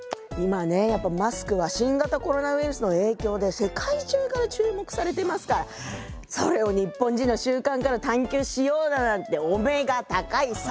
今ねやっぱマスクは新型コロナウイルスの影響で世界中から注目されてますからそれを日本人の習慣から探究しようだなんてお目が高い！